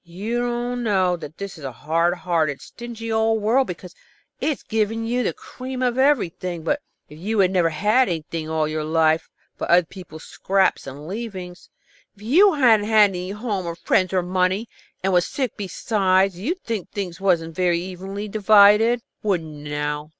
You don't think that this is a hard hearted, stingy old world, because it has given you the cream of everything. But if you'd never had anything all your life but other people's scraps and leavings, and you hadn't any home or friends or money, and was sick besides, you'd think things wasn't very evenly divided. Wouldn't you now?